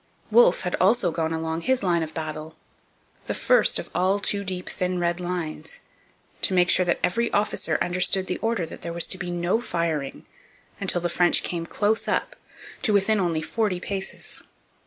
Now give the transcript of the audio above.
Wolfe also had gone along his line of battle, the first of all two deep thin red lines, to make sure that every officer understood the order that there was to be no firing until the French came close up, to within only forty paces.